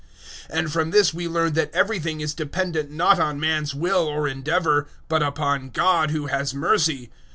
009:016 And from this we learn that everything is dependent not on man's will or endeavour, but upon God who has mercy.